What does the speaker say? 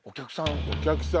お客さん